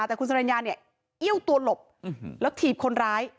แต่คุณสรรญาเนี่ยเอี้ยวตัวหลบแล้วถีบคนร้าย